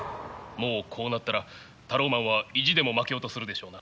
もうこうなったらタローマンは意地でも負けようとするでしょうな。